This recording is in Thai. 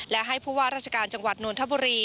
และให้ผู้ว่าราชการจังหวัดนนทบุรี